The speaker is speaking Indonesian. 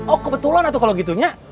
oh kebetulan atau kalau gitunya